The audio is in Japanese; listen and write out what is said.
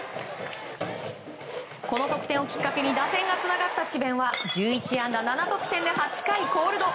この得点をきっかけに打線がつながった智弁は１１安打７得点で８回コールド。